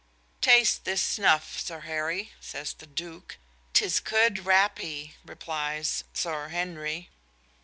"Taste this snuff, Sir Harry," says the "Duke." "'Tis good rappee," replies "Sir Harry."